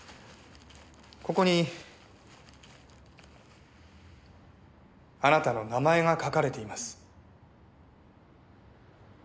ここにあなたの名前が書かれています。